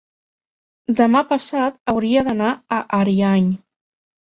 Demà passat hauria d'anar a Ariany.